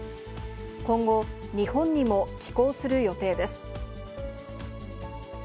今後、日本にも寄港する予定です。